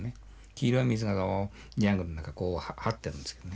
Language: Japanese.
黄色い水がジャングルの中こうはってるんですけどね。